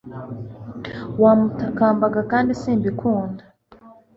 Wamutakambaga kandi simbikunda